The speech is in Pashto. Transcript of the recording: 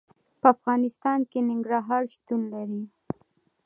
په افغانستان کې ننګرهار شتون لري.